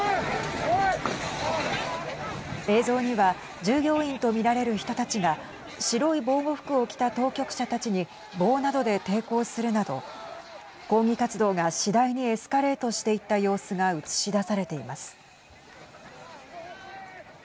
映像には従業員と見られる人たちが白い防護服を着た当局者たちに棒などで抵抗するなど抗議活動が次第にエスカレートしていった様子が映しだされています。